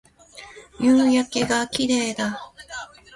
夕焼けが綺麗だ